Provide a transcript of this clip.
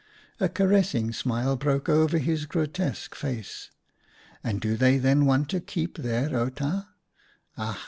A caressing smile broke over his grotesque face. "And do they then want to keep their Outa ? Ach